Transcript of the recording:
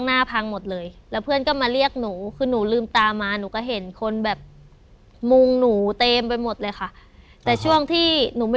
แต่ตัวเราเองเนี่ยไปติดต้นไม้